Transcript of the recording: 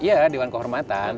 iya dewan kehormatan